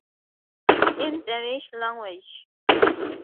In Danish Language.